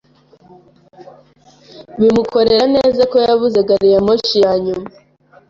Bimukorera neza ko yabuze gari ya moshi ya nyuma.